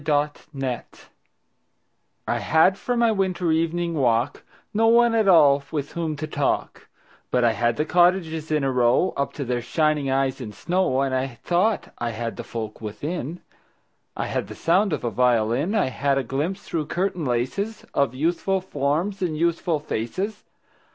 Good Hours I HAD for my winter evening walk No one at all with whom to talk, But I had the cottages in a row Up to their shining eyes in snow. And I thought I had the folk within: I had the sound of a violin; I had a glimpse through curtain laces Of youthful forms and youthful faces.